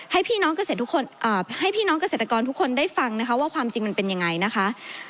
ให้พี่น้องเกษตรกรทุกคนได้ฟังว่าความจริงมันเป็นยังไงนะคะ